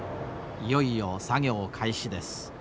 いよいよ作業開始です。